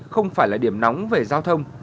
không phải là điểm nóng về giao thông